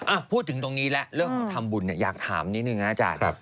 อ่ะพูดถึงตรงนี้แล้วเรื่องทำบุญอยากถามนิดนึงอาจารย์